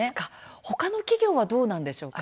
他の企業はどうなんでしょうか。